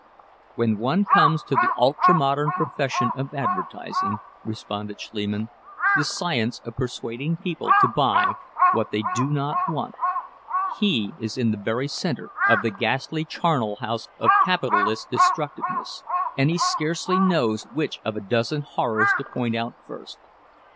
"When one comes to the ultra modern profession of advertising," responded Schliemann—"the science of persuading people to buy what they do not want—he is in the very center of the ghastly charnel house of capitalist destructiveness, and he scarcely knows which of a dozen horrors to point out first.